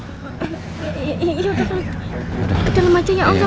ke dalem aja ya om